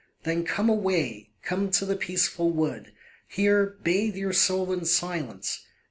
Then come away, come to the peaceful wood, Here bathe your soul in silence.